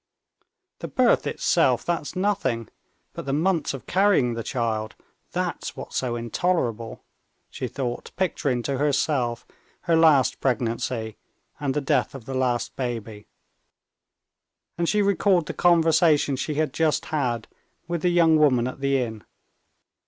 "The birth itself, that's nothing; but the months of carrying the child—that's what's so intolerable," she thought, picturing to herself her last pregnancy, and the death of the last baby. And she recalled the conversation she had just had with the young woman at the inn.